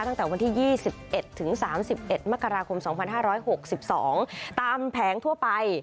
ตั้งแต่วันที่๒๑ถึง๓๑มกราคม๒๕๖๒ตามแผงทั่วไป